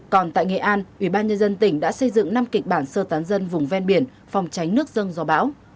còn tại nghệ an ubnd tỉnh đã xây dựng năm kịch bản sơ tán dân vùng ven biển phòng tránh nước dân do bão